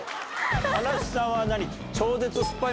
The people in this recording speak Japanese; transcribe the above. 嵐さんは何？